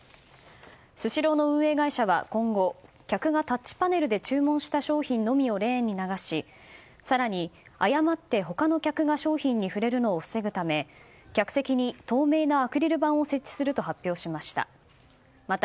スシローの運営会社は今後客がタッチパネルで注文した商品のみをレーンに流し、更に誤って他の客が商品に触れるのを防ぐため客席に透明なアクリル板を設置すると発表しました。